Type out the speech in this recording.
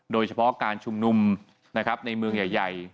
โดยเฉพาะการชุมนุมในเมืองใหญ่